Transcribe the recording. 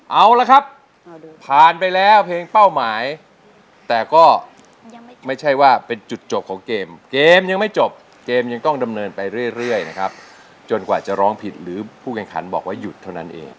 เอาละครับผ่านไปแล้วเพลงเป้าหมายแต่ก็ไม่ใช่ว่าเป็นจุดจบของเกมเกมยังไม่จบเกมยังต้องดำเนินไปเรื่อยนะครับจนกว่าจะร้องผิดหรือผู้แข่งขันบอกว่าหยุดเท่านั้นเอง